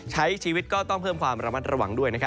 ใช้ชีวิตก็ต้องเพิ่มความระมัดระวังด้วย